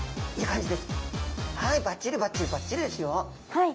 はい。